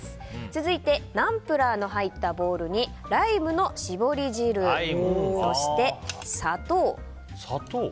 続いてナンプラーの入ったボウルにライムの搾り汁そして、砂糖。